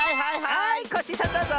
はいコッシーさんどうぞ！